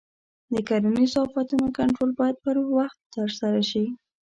د کرنیزو آفتونو کنټرول باید پر وخت ترسره شي.